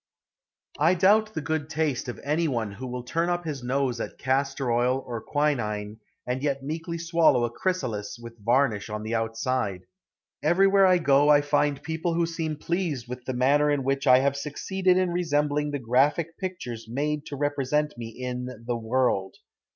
I doubt the good taste of any one who will turn up his nose at castor oil or quinine and yet meekly swallow a chrysalis with varnish on the outside. Everywhere I go I find people who seem pleased with the manner in which I have succeeded in resembling the graphic pictures made to represent me in The World.